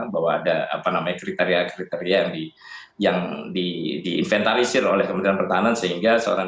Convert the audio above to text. bahwa ada kriteria kriteria yang diinventarisir oleh kementerian pertahanan sehingga seorang